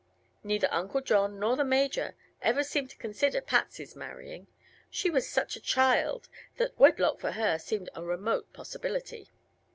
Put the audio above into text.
Neither Uncle John nor the Major ever seemed to consider Patsy's marrying; she was such a child that wedlock for her seemed a remote possibility.